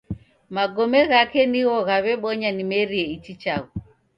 Magome ghake nigho ghaw'ebonya nimerie ichi chaghu